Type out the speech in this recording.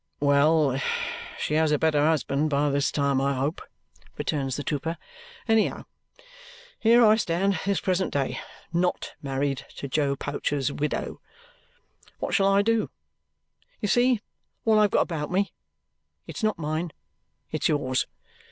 "Well, she has a better husband by this time, I hope," returns the trooper. "Anyhow, here I stand, this present day, NOT married to Joe Pouch's widder. What shall I do? You see all I have got about me. It's not mine; it's yours.